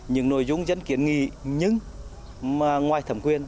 những nội dung dân kiến nghị nhưng mà ngoài thẩm quyền